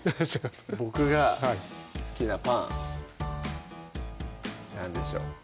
僕が好きなパン何でしょう？